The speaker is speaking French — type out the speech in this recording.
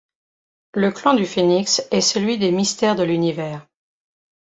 Le clan du Phénix est celui des mystères de l'univers.